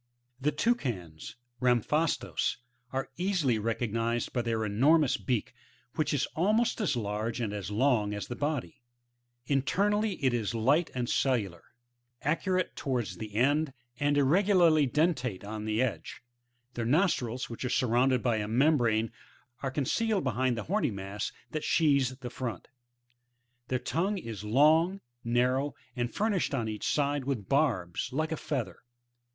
21. The ToncATX9j' Ramphitstns,—{Plate 4, fig 10) are easily I'ecognised by their enormous beak, which is almost as large and as long as the body ; internally it is light and cellular, arcuate towards the end, and irregulariy dentate on the edge; their nostrils, which are surrounded by a membrane, are concealed behind the horny mass that sheathes the front. Their ton.siue is k»ng, narrow, and furnished on each side with barbs, like a feather.